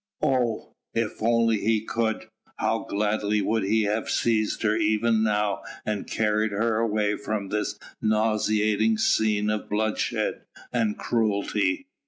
Oh! if he only could, how gladly would he have seized her even now and carried her away from this nauseating scene of bloodshed and cruelty.